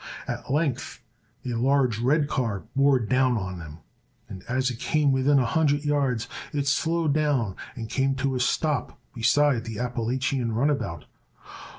At length a large red car bore down on them, and as it came within a hundred yards it slowed down and came to a stop beside the Appalachian runabout.